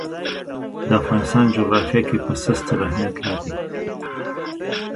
د افغانستان جغرافیه کې پسه ستر اهمیت لري.